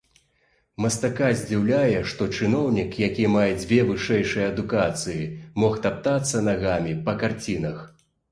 Мастака здзіўляе, што чыноўнік, які мае дзве вышэйшыя адукацыі, мог таптацца нагамі па карцінах.